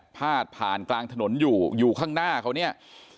พาดผ่านกลางถนนอยู่อยู่ข้างหน้าเขาเนี่ย